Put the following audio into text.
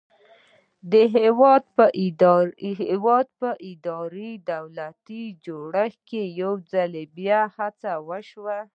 د هېواد په اداري دولتي جوړښت کې یو ځل بیا هڅه وشوه.